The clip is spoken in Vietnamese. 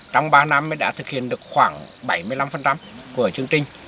trong ba năm đã thực hiện được khoảng bảy mươi năm của chương trình